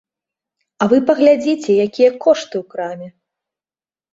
А вы паглядзіце, якія кошты ў краме!